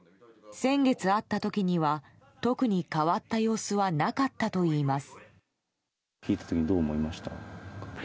先月会った時には特に変わった様子はなかったといいます。